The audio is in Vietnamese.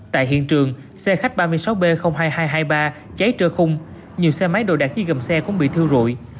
tại hiện trường xe khách ba mươi sáu b hai nghìn hai trăm hai mươi ba cháy trơ khung nhiều xe máy đồ đạc chiếc gầm xe cũng bị thiêu rụi